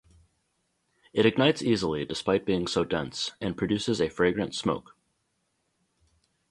It ignites easily despite being so dense, and produces a fragrant smoke.